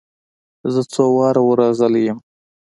زه څو واره ور رغلى يم.